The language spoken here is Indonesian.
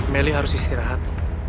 meli harus istirahat